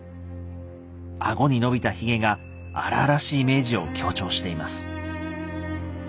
顎に伸びたひげが荒々しいイメージを強調しています。